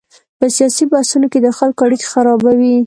په سیاسي بحثونو کې د خلکو اړیکې خرابوي.